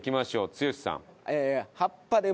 剛さん。